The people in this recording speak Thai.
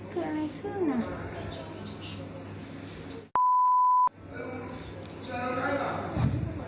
คืออะไรขึ้นอ่ะ